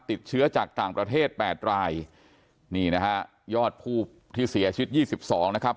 ติดเชื้อจากต่างประเทศ๘รายนี่นะครับยอดผู้ที่เสียชิด๒๒นะครับ